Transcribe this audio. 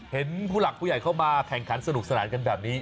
ผู้หลักผู้ใหญ่เข้ามาแข่งขันสนุกสนานกันแบบนี้